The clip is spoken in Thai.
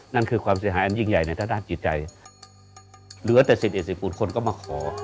นั่นคือความเสียหายอันยิ่งใหญ่ในทางด้านจิตใจเหลือแต่สิทธิคุณก็มาขอ